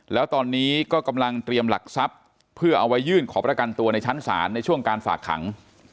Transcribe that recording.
แล้วตอนนี้ก็กำลังเตรียมหลักทรัพย์เพื่อเอาไว้ยื่นขอประกันตัวในชั้นศาลในช่วงการฝากขัง